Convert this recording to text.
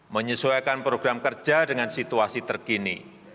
menyesuaikan program kerja dengan situasi terkini